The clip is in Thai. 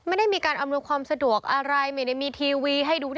ไม่ได้มีการอำนวยความสะดวกอะไรไม่ได้มีทีวีให้ดู